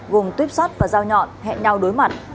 gồm tuyếp sắt và dao nhọn hẹn nhau đối mặt